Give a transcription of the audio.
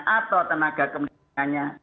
atau tenaga kemendidikannya